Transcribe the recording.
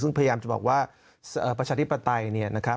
ซึ่งพยายามจะบอกว่าประชาธิปไตยเนี่ยนะครับ